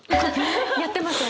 やってます私。